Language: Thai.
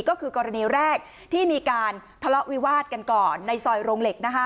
ก็คือกรณีแรกที่มีการทะเลาะวิวาดกันก่อนในซอยโรงเหล็ก